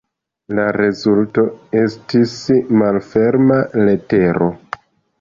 La rezulto estis "Malferma letero".